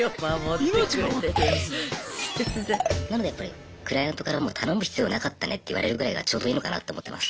なのでクライアントから「頼む必要なかったね」って言われるぐらいがちょうどいいのかなと思ってます。